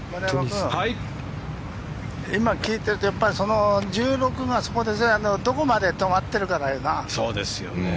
今、聞いていると１６がどこまで止まってるかだよな。